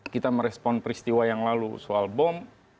kita merespon peristiwa yang lalu soal bom